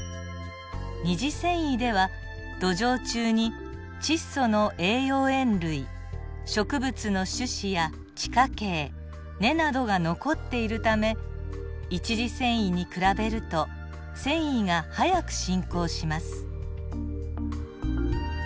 二次遷移では土壌中に窒素の栄養塩類植物の種子や地下茎根などが残っているため一次遷移に比べると遷移が早く進行します。